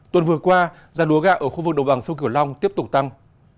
tuần vừa qua giá lúa gạo ở khu vực đồng bằng sông cửu long tiếp tục tăng